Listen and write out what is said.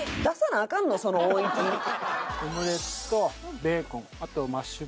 オムレツとベーコンあとマッシュポテトに。